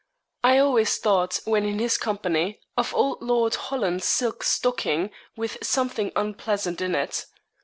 I always thought, when in his company, of old Lord Holland's silk stocking with something unpleasant in it.